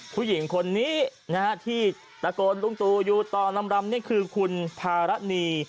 ผู้หญิงคนนี้ที่ตะโกนลุงตูอยู่ต่อลำนี่คือคุณภารณี